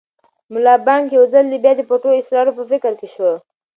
ملا بانګ یو ځل بیا د پټو اسرارو په فکر کې شو.